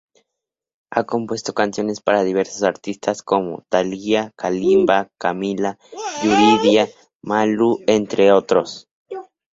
Ha compuesto canciones para diversos artistas como Thalía, Kalimba, Camila, Yuridia, Malú, entre otros.